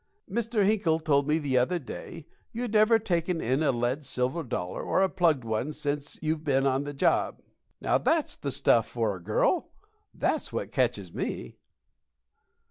Mr. Hinkle told me the other day you'd never taken in a lead silver dollar or a plugged one since you've been on the job. Now, that's the stuff for a girl that's what catches me."